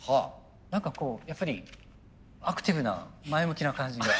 何かこうやっぱりアクティブな前向きな感じが。